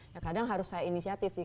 ya kadang harus saya inisiatif sih